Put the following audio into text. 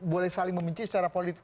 boleh saling membenci secara politik